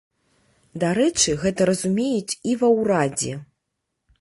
Дарэчы, гэта разумеюць і ва ўрадзе.